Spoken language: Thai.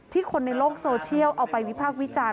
คนในโลกโซเชียลเอาไปวิพากษ์วิจารณ์